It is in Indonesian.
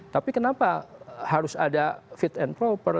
tapi kenapa harus ada fit and proper